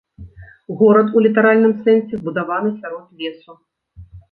Горад у літаральным сэнсе збудаваны сярод лесу.